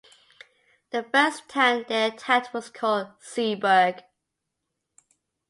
The first town they attacked was called Seeburg.